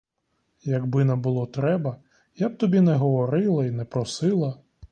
Якби не було треба, я б тобі не говорила й не просила.